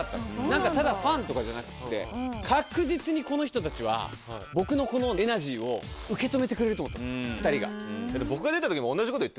何かただファンとかじゃなくって確実にこの人たちは僕のこのエナジーを受け止めてくれると思ったんです２人が。